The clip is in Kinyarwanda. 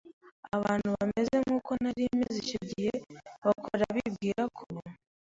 abantu bameze nkuko nari meze icyo gihe bakora bibwira ko